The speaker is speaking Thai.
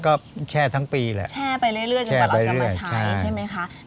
ก็แช่ทั้งปีแหละแช่ไปเรื่อยจนกว่าเราจะมาใช้ใช่ไหมคะ